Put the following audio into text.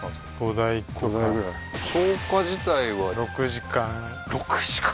５台とか消火自体は６時間６時間？